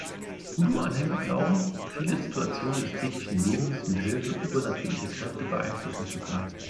Hoodoo-Anhänger glauben, viele Situationen des täglichen Lebens mit Hilfe übernatürlicher Kräfte beeinflussen zu können.